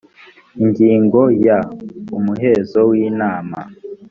ingingo ya umuhezo w inama